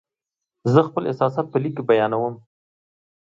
زه خپل احساسات په لیک کې بیانوم.